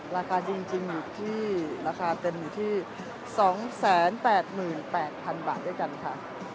ราคาจริงจริงอยู่ที่ราคาเต็มอยู่ที่สองแสนแปดหมื่นแปดพันบาทด้วยกันค่ะ